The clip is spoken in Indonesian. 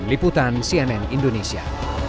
liputan cnn indonesia